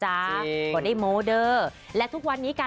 หมดได้โมเดิอ